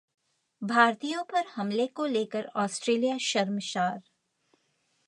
भारतीयों पर हमले को लेकर ऑस्ट्रेलिया ‘शर्मशार’